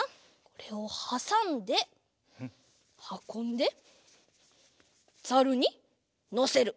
これをはさんではこんでザルにのせる。